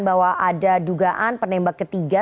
bahwa ada dugaan penembak ketiga